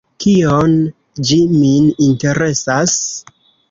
Kion ĝi min interesas?